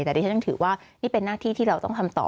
แต่ดิฉันยังถือว่านี่เป็นหน้าที่ที่เราต้องทำต่อ